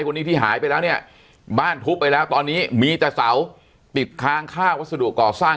คนนี้ที่หายไปแล้วเนี่ยบ้านทุบไปแล้วตอนนี้มีแต่เสาติดค้างค่าวัสดุก่อสร้าง